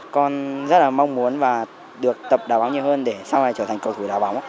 con rất là mong muốn và được tập đá bóng nhiều hơn để sau này trở thành cầu thủ đá bóng